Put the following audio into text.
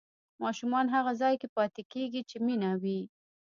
ماشومان هغه ځای کې پاتې کېږي چې مینه وي.